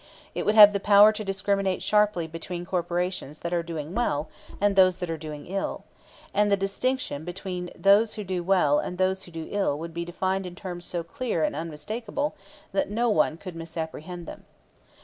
It would have the power to discriminate sharply between corporations that are doing well and those that are doing ill; and the distinction between those who do well and those who do ill would be defined in terms so clear and unmistakable that no one could misapprehend them.